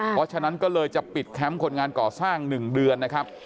เพราะฉะนั้นก็เลยจะปิดแคมป์คนงานก่อสร้าง๑เดือนนะครับ